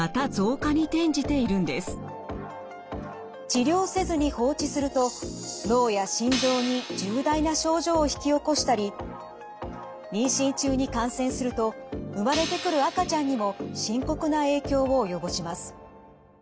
治療せずに放置すると脳や心臓に重大な症状を引き起こしたり妊娠中に感染すると生まれてくる赤ちゃんにも深刻な影響を及ぼします。